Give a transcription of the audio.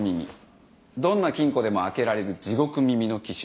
どんな金庫でも開けられる地獄耳の岸田。